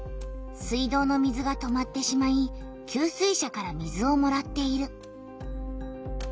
水道の水が止まってしまい給水車から水をもらっている。